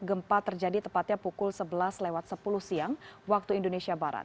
gempa terjadi tepatnya pukul sebelas lewat sepuluh siang waktu indonesia barat